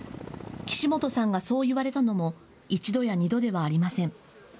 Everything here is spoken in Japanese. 岸本さんがそう言われたのも１度や２度ではありません。